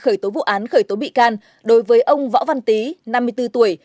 khởi tố vụ án khởi tố bị can đối với ông võ văn tý năm mươi bốn tuổi